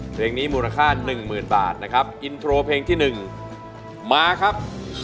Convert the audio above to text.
เพลงนี้มูลค่า๑๐๐๐บาทนะครับอินโทรเพลงที่๑มาครับ